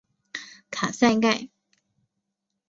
卡萨盖。